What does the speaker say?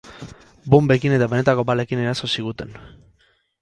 Bonbekin eta benetako balekin eraso ziguten.